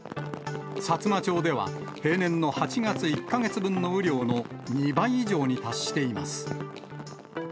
さつま町では平年の８月１か月分の雨量の２倍以上に達しています。